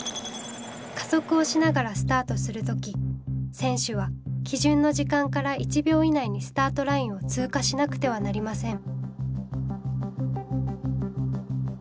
加速をしながらスタートする時選手は基準の時間から１秒以内にスタートラインを通過しなくてはなりません。